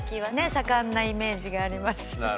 盛んなイメージがあります。